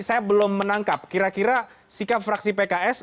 saya belum menangkap kira kira sikap fraksi pks